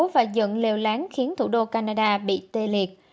và dựng liều láng khiến thủ đô canada bị tê liệt